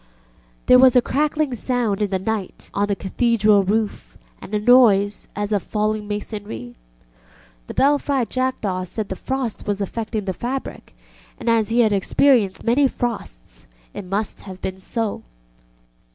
There was a crackling sound in the night on the Cathedral roof and a noise as of falling masonry. The belfry jackdaw said the frost was affecting the fabric, and as he had experienced many frosts it must have been so.